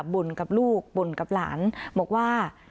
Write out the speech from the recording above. บ่นกับลูกบ่นกับหลานบอกว่า